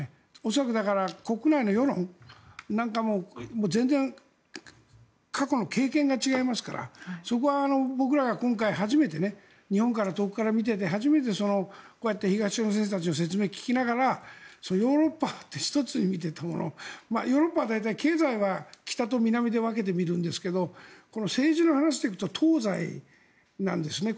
恐らく、国内の世論なんかも全然、過去の経験が違いますからそこは僕らが今回、初めて日本から、遠くから見てて初めてこうやって東野先生たちの説明を聞きながらヨーロッパって１つに見ていたものをヨーロッパは大体、経済は北と南で分けて見るんですが政治の話で行くと東西なんですね。